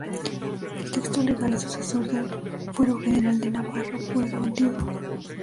El texto legal es sucesor del Fuero General de Navarra o Fuero Antiguo.